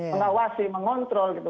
mengawasi mengontrol gitu